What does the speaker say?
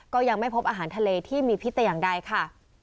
ก็ยังไม่พบอาหารทะเลที่มีพิษแต่อย่างใดค่ะ